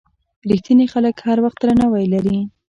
رښتیني خلک هر وخت درناوی لري.